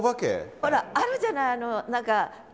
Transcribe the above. ほらあるじゃない！